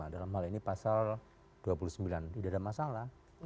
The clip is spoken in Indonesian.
dalam hal ini pasal dua puluh sembilan tidak ada masalah